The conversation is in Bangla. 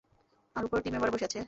আর ওপরে টিম মেম্বাররা বসে আছে।